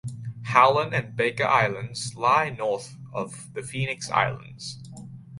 Howland and Baker islands lie north of the Phoenix Islands.